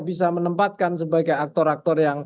bisa menempatkan sebagai aktor aktor yang